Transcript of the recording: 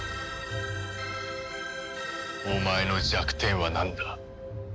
お前の弱点はなんだ？